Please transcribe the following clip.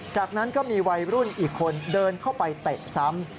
จากนั้นก็มีวัยรุ่นอีกคนเดินเข้าไปเตะซ้ำ